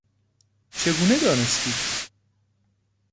چگونه دانستی؟